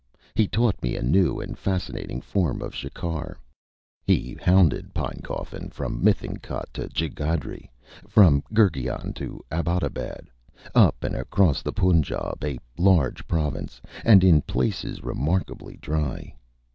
He taught me a new and fascinating form of shikar. He hounded Pinecoffin from Mithankot to Jagadri, and from Gurgaon to Abbottabad up and across the Punjab, a large province and in places remarkably dry.